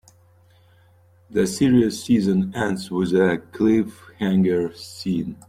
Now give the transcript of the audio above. The series season ends with a cliffhanger scene.